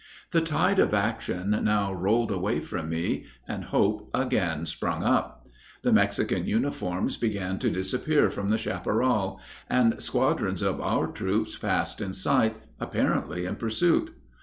The tide of action now rolled away from me and hope again sprung up. The Mexican uniforms began to disappear from the chapparal, and squadrons of our troops passed in sight, apparently in pursuit.